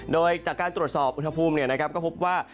โดยจากการตรวจสอบอุณหภูมิก็พบว่า